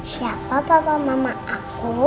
siapa bapak mama aku